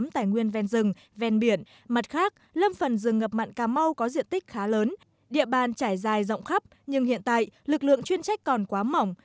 tại nguyên ven rừng ven biển mặt khác lâm phần rừng ngập mặn cà mau có diện tích khá lớn địa bàn trải dài rộng khắp nhưng hiện tại lực lượng chuyên trách còn quá mỏng